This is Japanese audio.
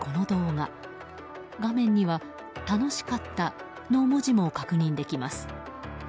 画面には、楽しかったの文字も確認できます。